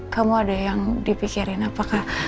kamu ada yang dipikirin apakah